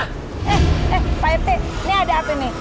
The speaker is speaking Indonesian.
eh pak ete ini ada apa nih